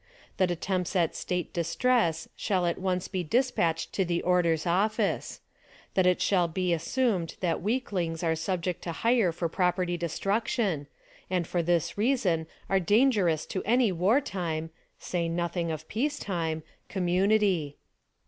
Tjaat attempts at state distress shall at once be dispatched to the order's office. That it shall he assumed that weaklings are subject to hire for property destruction — and for this reason are dangerous to any war time (say nothing of peace time) com munity.